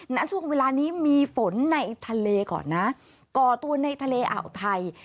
ณช่วงเวลานี้มีฝนในทะเลก่อนนะก่อตัวในทะเลอ่าวไทย